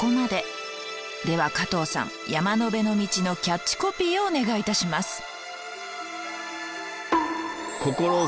では加藤さん山辺の道のキャッチコピーをお願いいたします。